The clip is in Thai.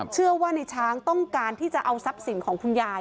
เชื่อว่าในช้างต้องการที่จะเอาทรัพย์สินของคุณยาย